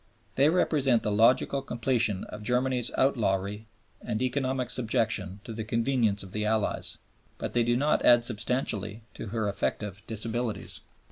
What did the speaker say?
They represent the logical completion of Germany's outlawry and economic subjection to the convenience of the Allies; but they do not add substantially to her effective disabilities.